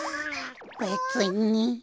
べつに。